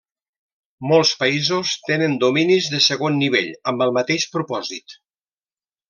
Molts països tenen dominis de segon nivell amb el mateix propòsit.